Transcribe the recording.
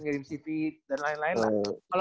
ngirim cv dan lain lain lah